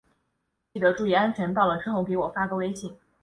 记得注意安全，到了之后给我发个微信。